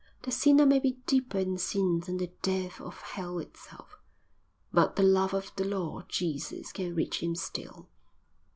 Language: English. The sinner may be deeper in sin than the depth of hell itself, but the love of the Lord Jesus can reach him still."